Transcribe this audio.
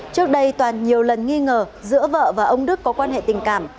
trước đây toàn nhiều lần nghi ngờ giữa vợ và ông đức có quan hệ tình cảm